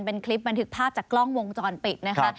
เป็นคลิปบันทึกภาพจากกล้องวงจรปิดนะคะ